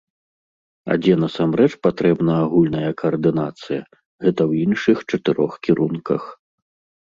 А дзе насамрэч патрэбна агульная каардынацыя, гэта ў іншых чатырох кірунках.